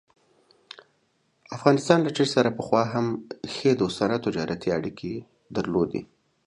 افغانستان له چین سره پخوا هم ښې دوستانه تجارتي اړيکې درلودلې.